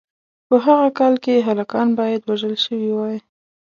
په هغه کال کې هلکان باید وژل شوي وای.